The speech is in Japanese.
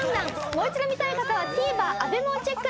もう一度見たい方はＴＶｅｒＡＢＥＭＡをチェック。